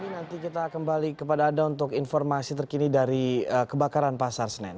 nanti kita kembali kepada anda untuk informasi terkini dari kebakaran pasar senen